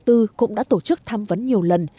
bộ kế hoạch đồng tư cũng đã tổ chức tham vấn nhiều lần